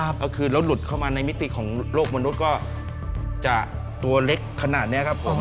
ก็คือแล้วหลุดเข้ามาในมิติของโลกมนุษย์ก็จะตัวเล็กขนาดนี้ครับผม